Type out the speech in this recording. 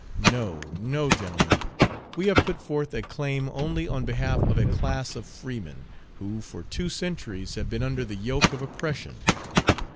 No, no, gentlemen! we have put forth a claim only on behalf of a class of freemen, who, for two centuries, have been under the yoke of oppression.